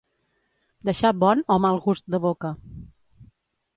Deixar bon o mal gust de boca.